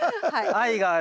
愛がある。